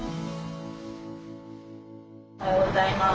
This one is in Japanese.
おはようございます。